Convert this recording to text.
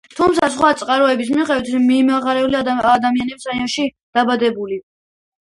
თუმცა, სხვა წყაროების მიხედვით, მომღერალი აღდამის რაიონშია დაბადებული.